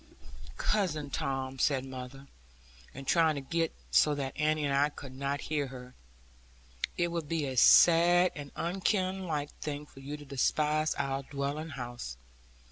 'Cousin Tom,' said mother, and trying to get so that Annie and I could not hear her; 'it would be a sad and unkinlike thing for you to despise our dwelling house.